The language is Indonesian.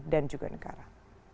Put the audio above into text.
dan juga negara